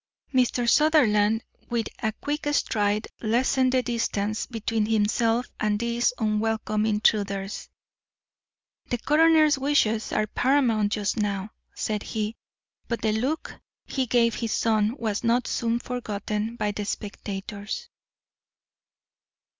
Mr. Sutherland, with a quick stride, lessened the distance between himself and these unwelcome intruders. "The coroner's wishes are paramount just now," said he, but the look he gave his son was not soon forgotten by the spectators.